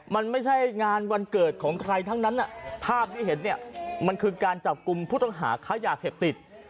มันไม่ใช่งานวันเกิดของใครทั้งนั้นภาพที่เห็นเนี่ยมันคือการจับกลุ่มผู้ต้องหาค้ายาเสพติด